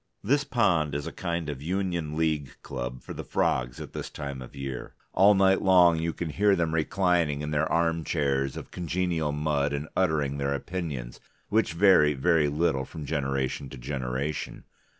This pond is a kind of Union League Club for the frogs at this time of year; all night long you can hear them reclining in their armchairs of congenial mud and uttering their opinions, which vary very little from generation to generation.